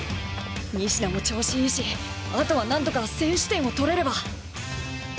仁科も調子いいしあとはなんとか先取点を取れれば！